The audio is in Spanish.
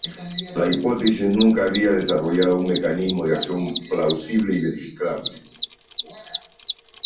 La hipótesis nunca había desarrollado un mecanismo de acción plausible y verificable.